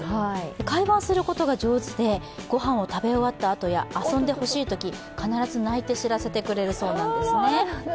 会話をすることが上手で、ご飯を食べ終わったときや遊んでほしいとき必ず鳴いて知らせてくれるそうなんですね。